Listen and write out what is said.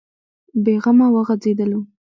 بې غمه وغځېدلو.